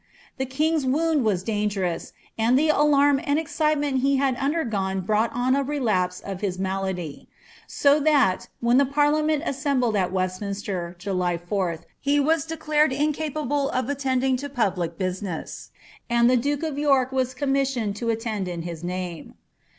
The king^s wound was dan^rous, and the alarm and excitement he had undergone brought on a relapse of his malady ; so that, when the parliament assembled at Westminster, July 4th, he was declared incapable of attending to public business, and the duke of York was commissioned to attend in his name.'